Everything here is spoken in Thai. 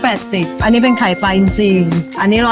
อันนี้เป็นไข่ปลาอินซีงอันนี้๑๕๐